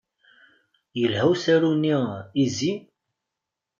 Yelha usaru-nni "Izi"?